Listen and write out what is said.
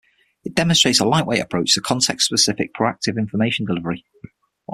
It demonstrates a lightweight approach to context-specific proactive information delivery.